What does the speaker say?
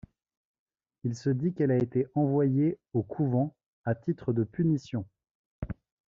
Il se dit qu’elle a été envoyée au couvent à titre de punition.